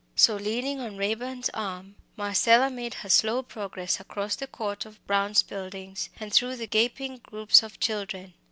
So, leaning on Raeburn's arm, Marcella made her slow progress across the court of Brown's Buildings and through the gaping groups of children.